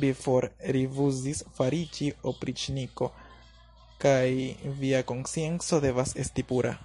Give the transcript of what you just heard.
Vi forrifuzis fariĝi opriĉniko, kaj via konscienco devas esti pura!